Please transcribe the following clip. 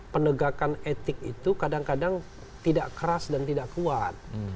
penegakan etik itu kadang kadang tidak keras dan tidak kuat